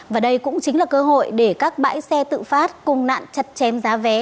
và đây cũng chính là cơ hội để các bãi xe tự phát cùng nạn chặt chém giá vé